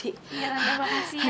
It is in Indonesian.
ya tante terima kasih ya